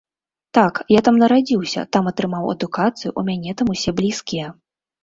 Так, я там нарадзіўся, там атрымаў адукацыю, у мяне там усе блізкія.